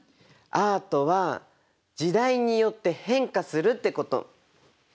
「アートは時代によって変化する」ってこと。